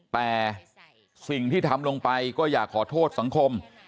แต่สิ่งที่ทำลงไปก็อยากขอโทษสังคม